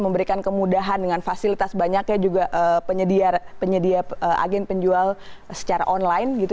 memberikan kemudahan dengan fasilitas banyaknya juga penyedia agen penjual secara online gitu